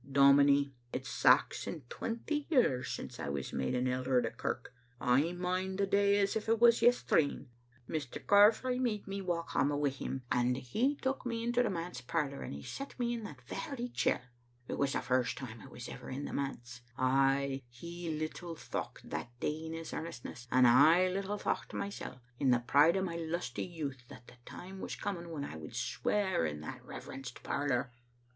'" Dominie, it's sax and twenty years since I was made an elder o' the kirk. I mind the day as if it was yes treen. Mr. Carfrae made me walk hame wi' him, and Digitized by VjOOQ IC Aacdatet and tbe precentor* 85} he took me into the manse parlor, and he set me in that very chair. It was the first time I was ever in the manse. Ay, he little thocht that day in his earnestness, and I little thocht mysel* in the pride o' my lusty youth, that the time was coming when I would swear in that reverenced parlor.